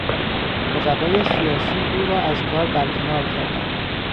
رقبای سیاسی او را از کار برکنار کردند.